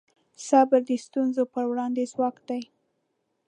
صبر د ستونزو پر وړاندې ځواک دی.